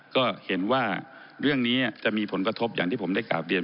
ก็เห็นว่าเรื่องนี้จะมีผลกระทบอย่างที่ผมได้กราบเรียน